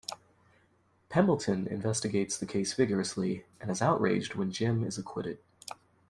Pembleton investigates the case vigorously, and is outraged when Jim is acquitted.